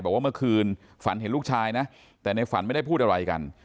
บอกว่าเมื่อคืนฝันเห็นลูกชายนะแต่ในฝันไม่ได้พูดอะไรกัน